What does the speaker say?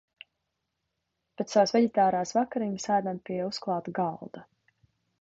Bet savas veģitārās vakariņas ēdām pie uzklāta galda.